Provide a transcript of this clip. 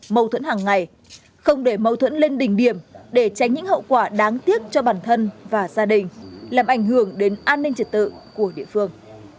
mâu thuẫn hàng ngày không để mâu thuẫn lên đỉnh điểm để tránh những hậu quả đáng tiếc cho bản thân và gia đình làm ảnh hưởng đến an ninh trật tự của địa phương